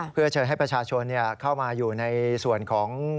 เพื่อเชิญให้ประชาชนเข้ามาอยู่ในส่วนของ